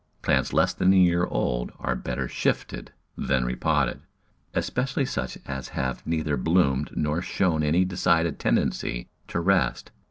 Plants less than a year old are better shifted than repotted — especially such as have neither bloomed nor shown any decided tendency to rest.